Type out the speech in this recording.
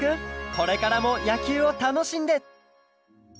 これからもやきゅうをたのしんで！